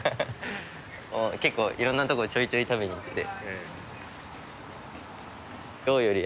結構いろんなとこちょいちょい食べに行って。